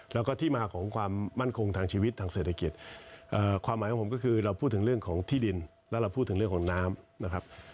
แล้วก็ที่มาของความมั่นคงทางชีวิตทางเศรษฐกิจความหมายของผมก็คือเราพูดถึงเรื่องของที่ดินแล้วเราพูดถึงเรื่องของน้ำนะครับ